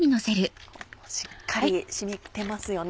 しっかり染みてますよね。